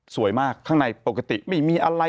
สวยมากข้างในปกติไม่มีอะไร